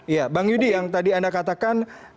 ya bang yudi yang tadi anda katakan